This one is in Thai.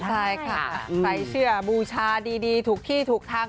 ใช่ค่ะใส่เสื้อบูชาดีถูกที่ถูกทาง